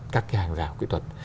các cái hàng rào kỹ thuật